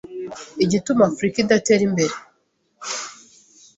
igituma Africa idatera imbere,